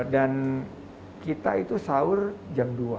dan kita itu sour jam dua